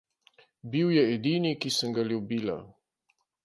Bil je edini, ki sem ga ljubila.